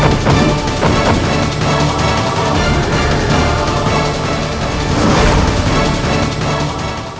aku sudah menguasai jurus utuhnya